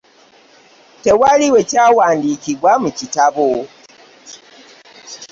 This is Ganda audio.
Tewali we kyawandiikibwa mu bitabo.